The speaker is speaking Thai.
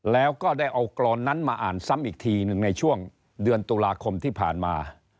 แล้วก็ได้เอากรอนนั้นมาอ่านซ้ำอีกทีหนึ่งในช่วงเดือนตุลาคมที่ผ่านมา